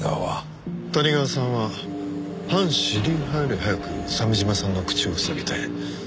谷川さんは反主流派より早く鮫島さんの口を塞ぎたい。